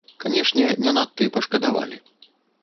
Канешне, не надта і пашкадавалі.